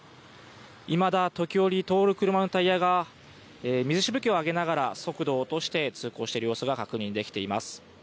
いまだ時折通る車のタイヤが水しぶきを上げながら速度を落として通行している様子が確認できています。